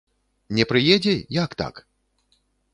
Не прыедзе, як так?